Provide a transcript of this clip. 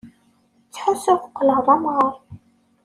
Ttḥussuɣ qqleɣ d amɣaṛ.